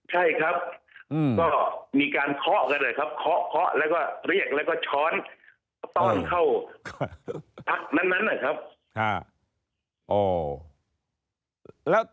ใช่ครับก็มีการเคาะกันเลยครับเคาะเคาะแล้วก็เรียกแล้วก็ช้อนต้อนเข้าพักนั้นนะครับ